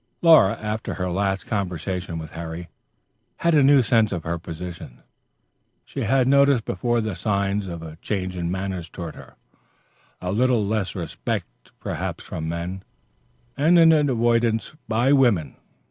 Laura, after her last conversation with Harry, had a new sense of her position. She had noticed before the signs of a change in manner towards her, a little less respect perhaps from men, and an avoidance by women.